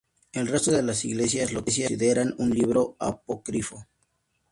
El resto de las iglesias lo consideran un libro apócrifo.